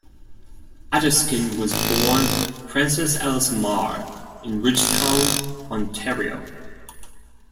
Adaskin was born Frances Alice Marr in Ridgetown, Ontario.